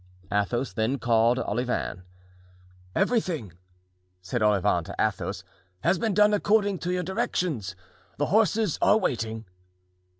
Athos then called Olivain. "Everything," said Olivain to Athos, "has been done according to your directions; the horses are waiting."